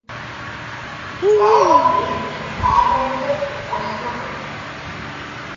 Rauer lebt und arbeitet in Osnabrück.